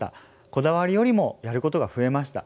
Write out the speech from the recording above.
こだわりよりもやることが増えました。